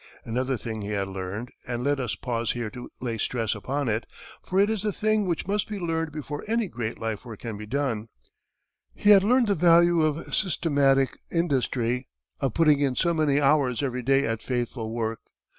Another thing he had learned; and let us pause here to lay stress upon it, for it is the thing which must be learned before any great life work can be done. He had learned the value of systematic industry, of putting in so many hours every day at faithful work.